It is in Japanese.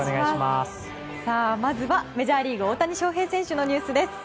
まずは、メジャーリーグ大谷翔平選手のニュースです。